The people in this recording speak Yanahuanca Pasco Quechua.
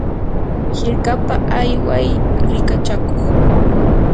hirkapa ayway rikachakuq.